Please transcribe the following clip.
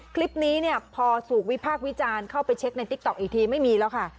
คลิปนี้เนี่ยพอถูกวิพากษ์วิจารณ์เข้าไปเช็คในติ๊กต๊อกอีกทีไม่มีแล้วค่ะ